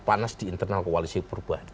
panas di internal koalisi perubahan